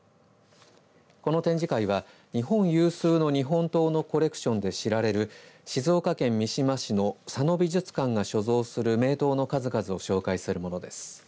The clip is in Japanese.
この展示会は日本有数の日本刀のコレクションで知られる静岡県三島市の佐野美術館が所蔵する名刀の数々を紹介するものです。